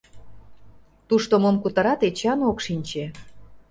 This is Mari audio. Тушто мом кутырат, Эчан ок шинче.